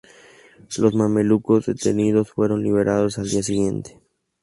Los mamelucos detenidos fueron liberados al día siguiente.